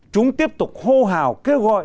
chúng tiếp tục hô hào kêu gọi